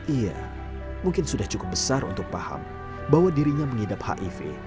iya mungkin sudah cukup besar untuk paham bahwa dirinya mengidap hiv